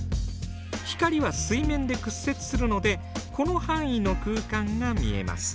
光は水面で屈折するのでこの範囲の空間が見えます。